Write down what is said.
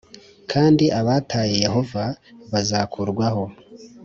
g kandi abataye Yehova bazakurwaho